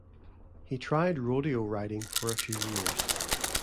He tried rodeo riding for a few years.